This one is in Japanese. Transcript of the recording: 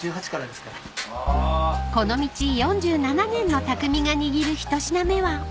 ［この道４７年の匠が握る１品目は］